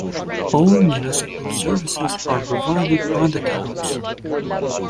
All municipal services are provided by the towns.